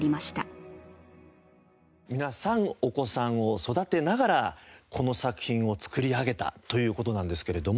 皆さんお子さんを育てながらこの作品を作り上げたという事なんですけれども。